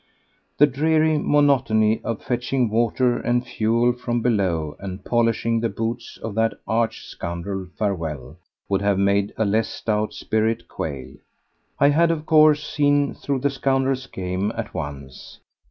The dreary monotony of fetching water and fuel from below and polishing the boots of that arch scoundrel Farewell would have made a less stout spirit quail. I had, of course, seen through the scoundrel's game at once.